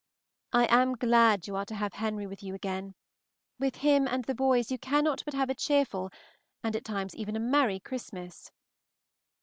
I am glad you are to have Henry with you again; with him and the boys you cannot but have a cheerful, and at times even a merry, Christmas.